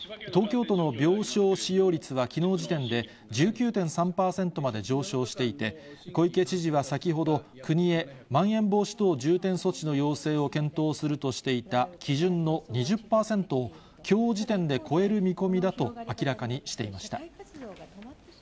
東京都の病床使用率は、きのう時点で１９．３％まで上昇していて、小池知事は先ほど、国へまん延防止等重点措置の要請を検討するとしていた基準の２０％をきょう時点で超える見込みだと明らかにしていました。